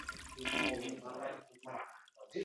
— Ishlamabsiz, o‘rtoq Rajabov, ishlamabsiz, —dedi.